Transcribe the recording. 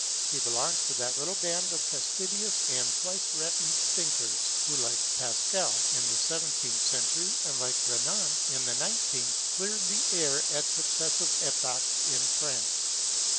Ho belongs to that little band of fastidious and twice refined thinkers, who, like Pascal (q.v.) in the 17th cent., and like Renan (q.v.) in the 19th, cleared the air at successive epochs in France.